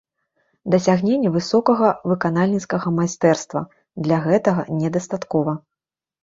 Дасягнення высокага выканальніцкага майстэрства для гэтага не дастаткова.